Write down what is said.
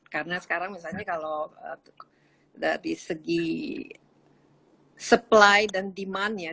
karena sekarang misalnya kalau di segi supply dan demandnya